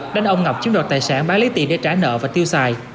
đánh ông ngọc chiếm đoạt tài sản bán lấy tiền để trả nợ và tiêu xài